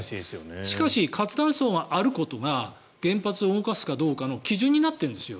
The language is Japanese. しかし、活断層があることが原発を動かすかどうかの基準になっているんですよ